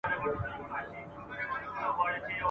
سترګي د رقیب دي سپلنی سي چي نظر نه سي ..